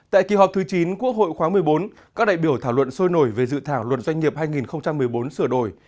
tại kỳ họp thứ chín quốc hội khóa một mươi bốn các đại biểu thảo luận sôi nổi về dự thảo luật doanh nghiệp hai nghìn một mươi bốn sửa đổi